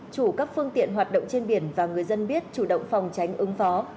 chủ các phương tiện hoạt động trên biển và người dân biết chủ động phòng tránh ứng phó